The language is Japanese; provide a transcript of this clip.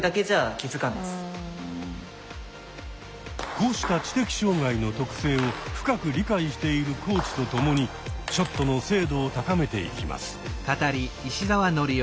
こうした知的障害の特性を深く理解しているコーチと共にショットの精度を高めていきます。